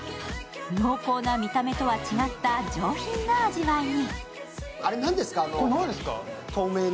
濃厚な見た目とは違った上品な味わいに。